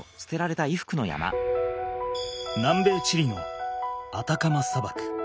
南米・チリのアタカマ砂漠。